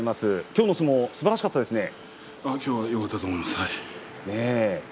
きょうの相撲すばらしかったですね。